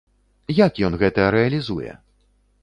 Як ён гэта рэалізуе?